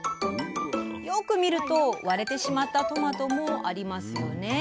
よく見ると割れてしまったトマトもありますよね。